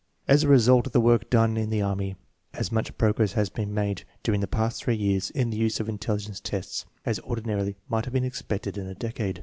As a result of the work done in the army, as much progress has been made during the past three years in the use of intelligence tests as ordinarily might have been expected in a decade.